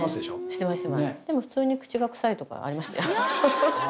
してますしてますでも普通に「口が臭い」とかありましたよ